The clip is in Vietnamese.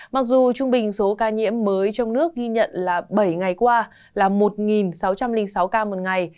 mặc dù trung bình số ca nhiễm mới trong nước ghi nhận là bảy ngày qua là một sáu trăm linh sáu ca một ngày